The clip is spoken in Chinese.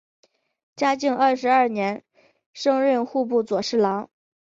嘉靖二十二年升任户部右侍郎。